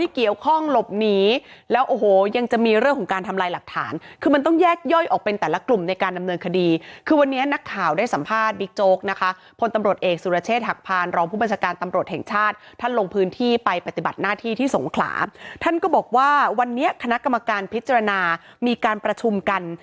เกี่ยวข้องหลบหนีแล้วโอ้โหยังจะมีเรื่องของการทำลายหลักฐานคือมันต้องแยกย่อยออกเป็นแต่ละกลุ่มในการดำเนินคดีคือวันนี้นักข่าวได้สัมภาษณ์บิ๊กโจ๊กนะคะพลตำรวจเอกสุรเชษฐหักพานรองผู้บัญชาการตำรวจแห่งชาติท่านลงพื้นที่ไปปฏิบัติหน้าที่ที่สงขลาท่านก็บอกว่าวันนี้คณะกรรมการพิจารณามีการประชุมกัน